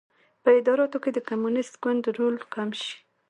په اداراتو کې د کمونېست ګوند رول کم شي.